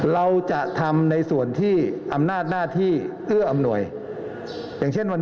เราจะทำในส่วนที่อำนาจหน้าที่เอื้ออำนวยอย่างเช่นวันนี้